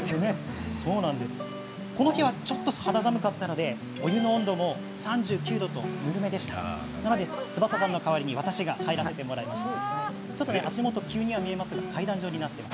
この日はちょっと肌寒かったのでお湯の温度も３９度とぬるめだったので翼さんの代わりに私が入らせてもらいました。